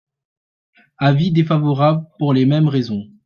Avis défavorable pour les mêmes raisons.